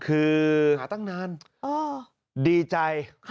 คือดีใจ